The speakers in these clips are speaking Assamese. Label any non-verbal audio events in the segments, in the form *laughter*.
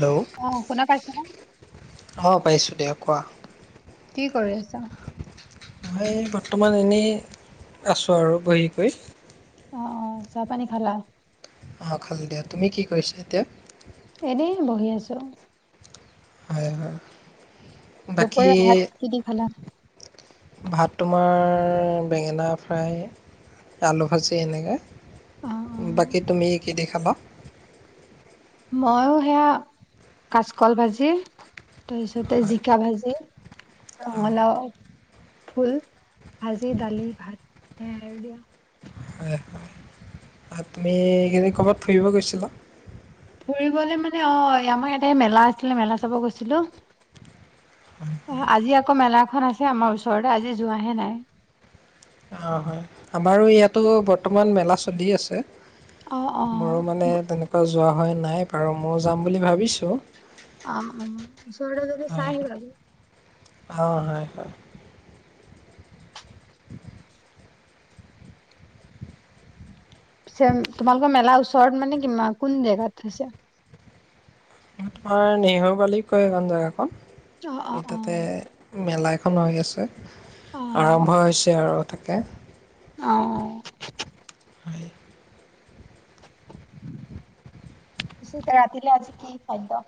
হেল্ল' অ', শুনা পাইছে নে? অ', পাইছোঁ দিয়া, কোৱা। কি কৰি আছা? মই বৰ্তমান এনেই আছোঁ আৰু বহি। অ', অ', চাহ পানী খালা? অ', খালোঁ দিয়া, তুমি কি কৰিছা এতিয়া? এনেই বহি আছো। হয় হয়। বাকী, দুপৰীয়া ভাত কি দি খালা? ভাত তোমাৰ আমাৰ বেঙেনা ফ্ৰাই, আলু ভাজি এনেকে। অ অ বাকী তুমি কি দি খালা? মইও সেয়া কাচকল ভাজি, তাৰপিছতে জিকা ভাজি, ৰঙালাও ফুল ভাজি, দালি, ভাত সেয়াই আৰু দিয়া। তুমি এইকেদি ক'ৰবাত ফুৰিব গৈছিলা? ফুৰিবলে মানে অ', এ আমাৰ ইয়াতে মেলা আছিলে মেলা চাব গৈছিলোঁ। আজি আকৌ মেলা এখন আছে আমাৰ ওচৰতে, আজি যোৱাহে নাই। অ হয় আমাৰো ইয়াতো বৰ্তমান মেলা চলি আছে। অ অ মোৰো মানে গ- তেনেকুৱা যোৱা হয়। নাই বাৰু, ময়ো যাম বুলি ভাবিছোঁ। অ', অ', ওচৰতে যদি চাই হয়। আহিবাগৈ। অ *inaudible* পিছে তোমালোকৰ মেলাৰ ওচৰত মানে কিমান, কোন জেগাত হৈছে? তোমাৰ নেহৰু বালি কয় এইকন জেগাকন। অ অ এই তাতে অ মেলা *inaudible* আহি আছে। অ', আৰম্ভ হৈছে আৰু। তাকে। অ' *inaudible* ৰাতিলে আজি কি খাদ্য?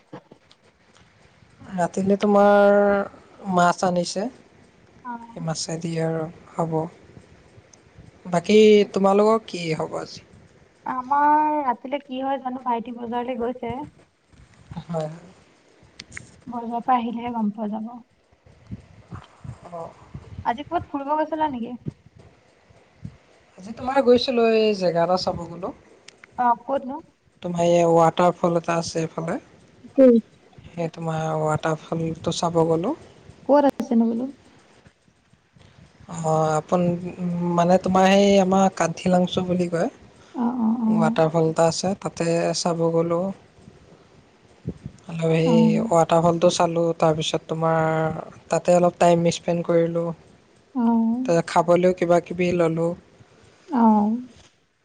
ৰাতিলৈ তোমাৰ মাছ আনিছে। অ', মাছেদি আৰু হ'ব। বাকী তোমালোকক। কি হ'ব আজি? আমাৰ ৰাতিলৈ কি হয় জানো, ভাইটি বজাৰলে গৈছে। হয়। বজাৰ পৰা আহিলেহে গম পোৱা যাব *inaudible* আজি ক'বাত ফুৰিব গৈছিলা নেকি আজি তোমাৰ গৈছিলো এই জেগা এটা চাব গ'লো। অ', ক'ত নো? তোমাৰ ৱাটাৰফল এটা আছে এইফালে কি সেই তোমাৰ ৱাটাৰফলটো চাব গ'লোঁ। ক'ত আছে নো বুলো? অ', আপোন মানে তোমাৰ সেই আমাৰ কানথি লাংচু বুলি কয় অ', অ', অ', ৱাটাৰফল এটা আছে তাতে চাব গ'লো আৰু অ', সেই ৱাটাৰফলটো চালোঁ, তাৰপিছত তোমাৰ, তাতে অলপ টাইম স্পেণ্ড কৰিলোঁ তাৰত খাবলৈ কিবা কিবি ললোঁ- অ'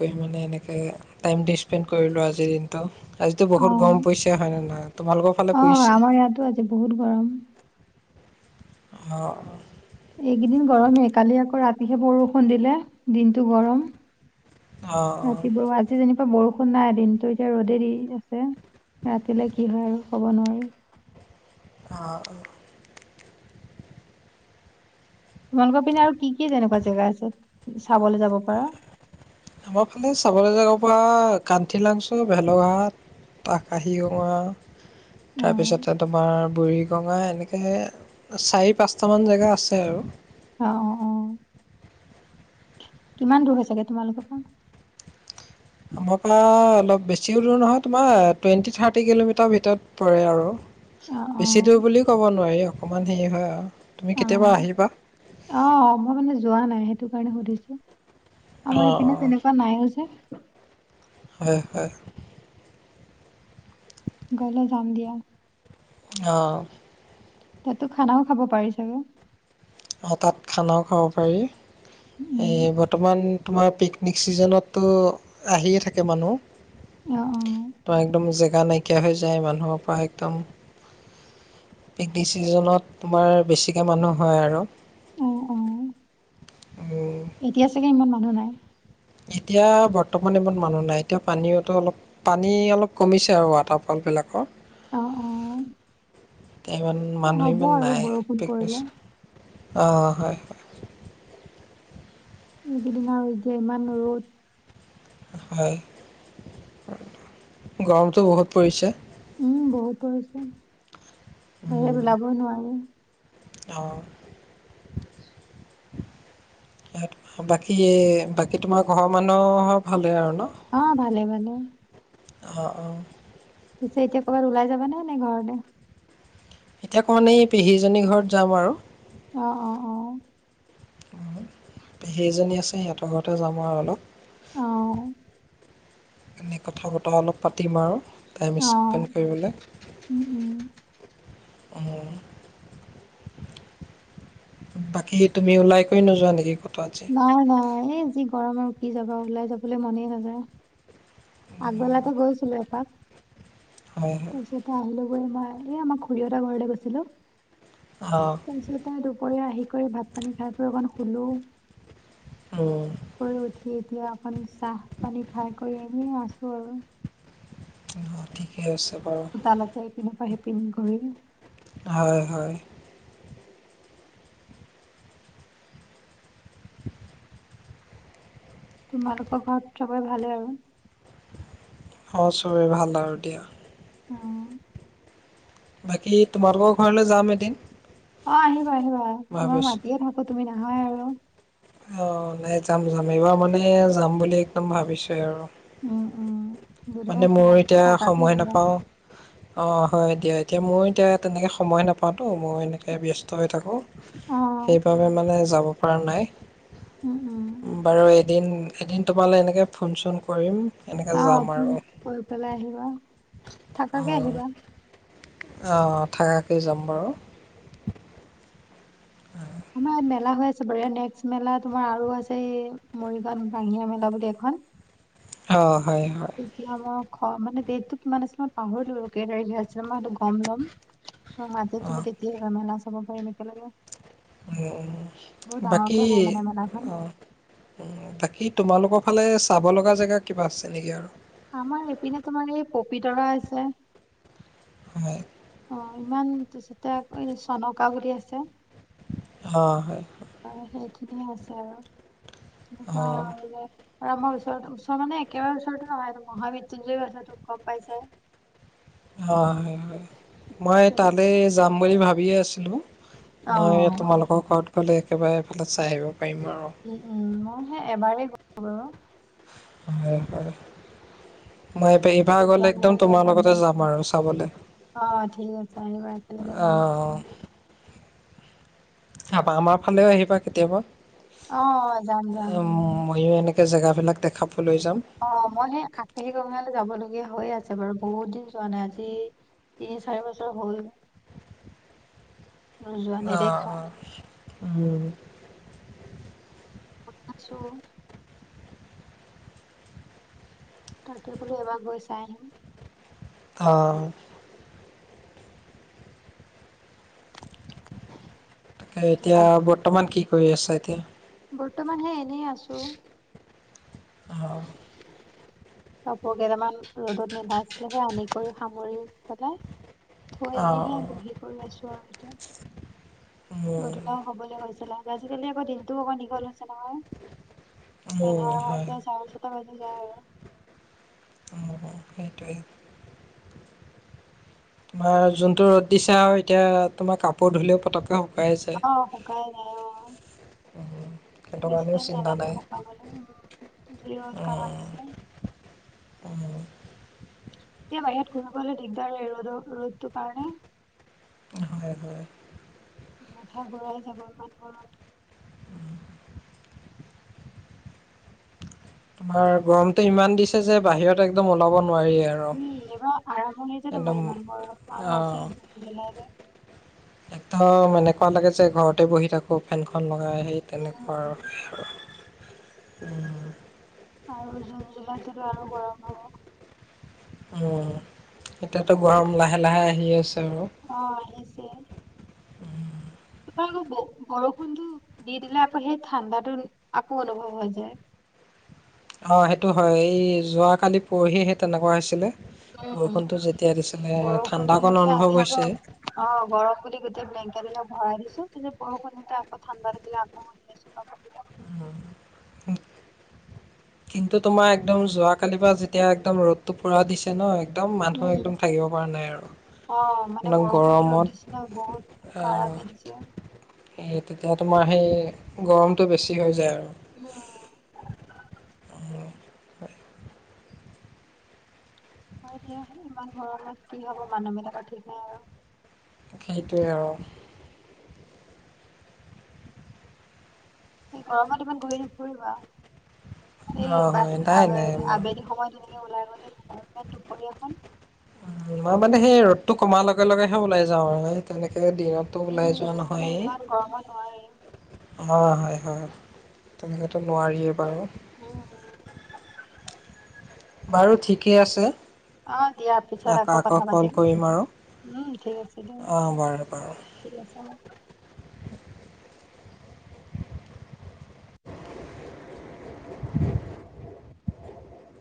কৰি মানে এনেকে টাইমটো স্পেন্ড কৰিলো আজিৰ দিনটো আজিতো বহুত অ'। গৰম পৰিছে হয়নে নহয়, তোমালোকৰ ফালে অ', পৰিছে? আমাৰ ইয়াতো আজি বহুত গৰম। অ এইকেইদিন গৰমেই কালি আকৌ ৰাতিহে বৰষুণ দিলে দিনটো গৰম অ অ ৰাতি ব আজি যেনিবা বৰষুণ ষুণ নাই, দিনটো এতিয়া ৰ'দে দি আছে, ৰাতিলে কি হয় আৰু ক'ব নোৱাৰোঁ। অঁ তোমালোকৰ পিনে আৰু কি কি তেনেকুৱা জেগা আছে? চাবলৈ যাব পাৰা? আমাৰ ফালে চাবলৈ জে *unintelligible* ‌ কানঠীলাংচ, ভেলৌঘাট, আকাশীগংগা অ', তাৰপিছতে তোমাৰ বুৰীগঙা এনেকেহে‌ চাৰি পাঁচটামান জেগা আছে আৰু অ'-অ। কিমান দূৰ হৈ চাগে তোমালোকৰ পৰা আমাৰ পৰা অলপ বেছিও দূৰ নহয়, তোমাৰ টুৱেণ্টি থাৰ্টি কিলোমিটাৰ ভিতৰত পৰে আৰু, অ', বেছি অ', দূৰ বুলিও ক'ব নোৱাৰি অকণমান হেৰি হয় আৰু, তুমি কেতিয়াবা অ', আহিবা। অ', মই মানে যোৱা নাই, সেইটো কাৰণে সুধিছোঁ। আমাৰ অঁ এইপিনে অঁ তেনেকুৱা নাইও যে হয় হয় গ'লে যাম দিয়া অ তাত তো খানাও খাব পাৰি চাগৈ? হঠাৎ খানাও খাব পাৰি। উম, এ, বৰ্তমান তোমাৰ, পিকনিক ছিজনতটো আহিয়ে থাকে অ', মানুহ। অ', পা একদম যেগ গা নাইকিয়া হৈ যায়, মানুহৰ পৰা একদম। পিকনিক ছিজনত তোমাৰ বেছিকে মানুহ হয় আৰু। অ, অ। উম এতিয়া চাগে ইমান মানুহ নাই? এতিয়া বৰ্তমান ইমান মানুহ নাই। এতিয়া পানীয়োটো অলপ, পানী অলপ কমিছে আৰু ৱাটাৰফল বিলাকৰ। অ', অ', তে ইমান এ মানুহ হ'ব ইমান আৰু নাই। বৰষুণ পিকনিক পৰিলে। অ। হয়-হয়। এইকেইদিন আৰু যে ইমান ৰ'দ। হয়। গৰমটো বহুত পৰিছে। উম, বহুত পৰিছে। বাহিৰত উলাবৈয়েই নোৱাৰি। অ। ভাত, বাকি এ, বাকী তোমাৰ ঘৰৰ মানুহৰ ভাল? অ, ভালে ভালে। অ, অ। পিছে এতিয়া কৰ'বাত ওলাই যাবা নে? নে ঘৰতে? এতিয়া অকণমান এই, পেহী এজনী ঘৰত যাম আৰু। অ, অ, অ। পেহী এজনী আছে, সিহঁতৰ ঘৰতে যাম আৰু অলপ। অ এনেই, কথা-বতৰা অলপ পাতিম আৰু। টাইম অ স্পেণ্ড উম উম কৰিবলৈ। বাকী, তুমি ওলাই কৰি নোযোৱা নেকি? ক নাই-নাই, এই যি গৰম আৰু কি যাবা আৰু? ওলাই যাবলৈ মনেই নাযায়। আগবেলাতে গৈছিলো এপাক, হয় হয় তাৰপিছতে আহিলো। *unintelligible* এই আমাৰ খুৰী হতৰ ঘৰলে গৈছিলো। অঁ তাৰপিছতে, দুপৰীয়া আহি কৰি, ভাত পানী খাই কৰি অকণ সুলো মই এতিয়া অকন, চাহ পানী খাই কৰি এনে আ ছো আৰু। অ ঠিকে আছে। বাৰু চোতালতে, এপিনৰ পৰা হেপিনে কৰিম। হয় হয় তোমালোকৰ ঘৰত চবৰে ভালেই আৰু? অহ ', চববেই ভাল আৰু দিয়া। অহ ', বাকী তোমালোকৰ ঘৰলৈ যাম এদিন অ আহিব আহিবা তোমাক ভাবিছো মাতিয়ে থাকো তুমি নাহাই আৰু অ নাই যাম যাম এইবাৰ মানে যাম বুলি একদম ভাবিছ আৰু উ উম মানে দুদিনমান থাকা মোৰ এতিয়া থাকাকে সময় আহিবা নাপাওঁ অ হয় দিয়া এতিয়া ময় এতিয়া তেনেকে সময় নাপাওঁ ত মই এনেকৈ ব্যস্ত হৈ থাকোঁ অ সেইবাবে মানে যাব পৰা নাই উম উম বাৰু এদিন এদিন তোমালৈ এনেকৈ ফোন চোন কৰিম এনেকা আহ যাম আৰু ফোন কৈ পেলাই আহিবা থাকাকে আহিবা অঁ থাকাকৈ যাম বাৰু আমাৰ ইয়াত মেলা হৈ আছে বাৰু নেক্সট মেলা তোমাৰ আৰু আছে এই মৰিগাঁও বাঙিয়া মেলা বুলি এখন অ হয় হয় *unintelligible* মানে ডেটতটো কিমান আছিল মই পাহৰিলো আৰু কেই তাৰিখে আছিলনে মই সেইটো গম ল'ম অ মাযে তুমি তেতিয়া আহিবা মেলা চাবলে চাব পাৰিম একেলগে বহুত বাকী ডাঙৰকে হয় মানে মেলাখন অ বাকী তোমালোকক ইফালে চাব লগা জেগা কিবা আছে নেকি আৰু আমাৰ ইপিনে তোমাৰ এই পপীতৰা আছে হয় অ ইমান তাৰছতে এই চনকা বুলি আছে অ হয় হয় সেইখিনিয়ে আছে আৰু অ অঁ আৰু আৰু আমাৰ ওচৰতৰ ওচৰ মানে একেবাৰে ওচৰতো নহয় মহাবিদ্যালয়ো আছে তোক গম পাইছায়ে হয় হয় হয় মই তেনে তালৈ যাম বুলি ভাবি ভাবিয়েই আছিলোঁ অ মই তোমালোকৰ ঘৰত গলে একেবাৰে এফালে চাই আহিব পাৰিম আৰু উম উম এবাৰেই গলো বাৰু *unintelligible* মই পেহি বাহ গৈ গ'লে এতিয়া একদম হোৱাই নাই তোমাৰ লগতে যাম আৰু চাবলে অ ঠিক আছে আহিবা একেলগে যাম অ' আমা, আমাৰ ফালেও আহিবা কেতিয়াবা। অ' যাম-যাম। ময়ো এনেকৈ জেগাবিলগ দেখাওঁ অ মই সেই খাটি গঙালে যাবলগীয়া, হৈ আছে বাৰু বহুত দিন যোৱা নাই আজি তিনি, চাৰি বছৰ হল। নোযোৱা নেদেখা অ-অ, উম, কত আছো, তাকে বোলো এবাৰ গৈ চাই আহিম, অহ, *unintelligible* তাকে এতিয়া বাকী বৰ্তমান কি, কৰি আছা এতিয়া, বৰ্তমান সেই, এনেই আছো। অ', কাপোৰ কেইটামান ৰ'দত মেলা আছিলে সেই আনি কৰি সামৰি পেলাই, থৈ এনেহে অঁ বহি কৰি আছো আৰু এতিয়া অঁ গধূলাও হবলৈ হৈছিলে। আজিকালি আকৌ দিনটোও দীঘল আছে নহয়, অঁ হয় এঘৰতে চাৰেছটা বাজিল। *unintelligible* অ' সেইটোৱে। অঁ' যোনটো ৰ'দ দিছা আৰু এতিয়া তোমাৰ কাপোৰ ধুললেও পতককে হ'ব অহ শুকাই যায় অহ সেইটো বেছি কাৰণেও টাইম চিন্তা নালাগে নাই শুকাবলৈ অহ যি ৰদ গৰম দিছে। আহ এতিয়া বাহিৰত ঘুৰিবলৈ দিগদাৰ হয়, ৰদ ৰ'দটোৰ কাৰণে। হয়-হয়। মাথা ঘূৰাই যাব ইমান গৰম। তোমাৰ গৰমতটো ইমান দিছে যে বাহিৰত একদম ওলাব নো উম' এইবাৰ আৰম্ভণি একদম তোমাৰ ইমান বৰ আৰু আছে জুন-জুলাইৰে। এক দম এনেকুৱা লাগে যে ঘৰতে বহি থাকো ফেনখন লগাই। সেই তেনেকুৱা উম আৰু। উম আৰু জুন-জুলাইটোত আৰু গৰম হব। অ এতিয়াতো গৰম লাহে-লাহে আহি আছে। আৰু অ আহিছে *inaudible* তোমাৰ আকৌ বৰষুণটোো দি দিলে আকৌ সেই ঠাণ্ডাটো আকৌ অনুভৱ হৈ যায় অ সেইটো হয় এই যোৱ কালি পৰহিহে তেনেকুৱা হৈছিলে উম বৰষুণটো যেতিয়া দিছিলে বৰষুণ ঠাণ্ডাকণ দতে অনুভৱ আমি আকৌ হৈছে। অ গৰম পুলি গোটেই বেংকা দিলে মৰাাৰিছো ত যে পল খতে আকৌ থানড দিলে আকৌ মৰি আাইছো পাপ পা *inaudible* কিন্তু তোমাৰ একদম যোৱ কালিৰ পৰা যেতিয়া একদম ৰ'দতটো পুৰা দিছে ন দম মানুহ উম। একদম থাকিব পৰা নাই অ মানে আৰু। বৰষুণ দি ৰ'দ দিছে গৰমত, ন বহুত অ' কাৰাকে দিছে। সে তেতিয়া তোমাৰ সেই গৰমটো বেছি হৈ যায় আৰু উম অ হয় হয় দিয়া ইমান মৰমত কি হব মানুহ বিিলাকৰ ঠিক নাই আৰু সেইটোৱে আৰু এই গৰমত ইমান ঘূৰি নুফুৰিবা অ হয় সেই নাই আ নাই মই আবেলি হবটো ওলাই গ'লে ঘৰৰপা দুপৰীয়াখন মই মানে সেই ৰ'দটো কমাৰ লগে লগেহে ওলাই যাওঁ আৰু তেনেকে দিনতো উম ওলাই যোৱা নহ'লে ইমান গৰমত নোৱাৰি নহয় অ হয় হয় তেনেকেতো নোৱাৰেই বাৰু উম বাৰু ঠিকেই আছে অ দিয়াৰ পিছত আকৌ কথা কল পাতিম কৰিম আৰু উম ঠিক আছে দিয় অঁ বাৰু বাৰু ঠিক আছে ব *inaudible*